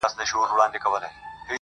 • دعوه د سړيتوب دي لا مشروطه بولمیاره ..